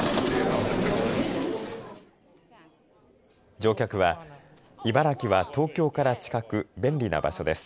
乗客は、茨城は東京から近く便利な場所です。